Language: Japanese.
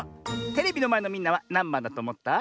テレビのまえのみんなはなんばんだとおもった？